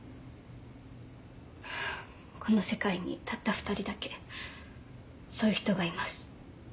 この世界にたった２人だけそういう人がいます。